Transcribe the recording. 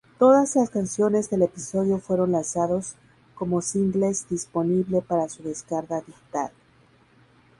Todas las canciones del episodio fueron lanzados como singles disponible para su descarga digital.